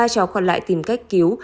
ba trò còn lại tìm cách cứu